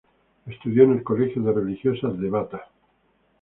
Estudió en el colegio de religiosas de Bata.